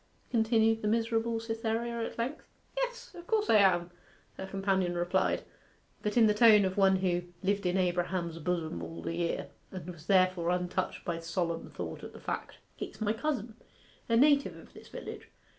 continued the miserable Cytherea at length. 'Yes, of course I am,' her companion replied, but in the tone of one who 'lived in Abraham's bosom all the year,' and was therefore untouched by solemn thought at the fact. 'He's my cousin a native of this village.